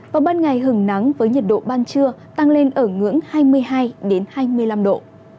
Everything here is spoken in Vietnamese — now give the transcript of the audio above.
vào ban ngày hứng nắng với nhiệt độ ban trưa tăng lên ở ngưỡng hai mươi hai hai mươi năm độ